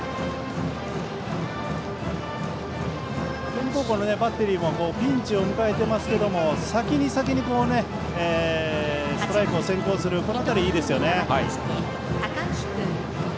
天理高校のバッテリーもピンチを迎えていますけども先に先にストライクを先行する辺りいいですね。